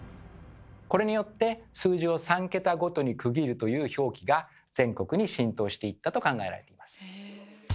これによって数字を３桁ごとに区切るという表記が全国に浸透していったと考えられています。